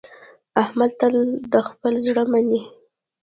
احمد تل د خپل زړه مني.